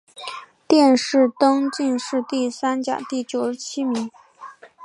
殿试登进士第三甲第九十七名。